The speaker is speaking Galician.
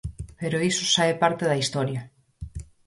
Pero iso xa é parte da historia.